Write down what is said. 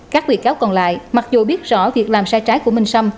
các bị cáo còn lại mặc dù biết rõ việc làm sai trái của minh xâm